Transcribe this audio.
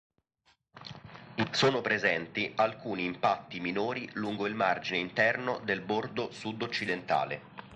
Sono presenti alcuni impatti minori lungo il margine interno del bordo sudoccidentale.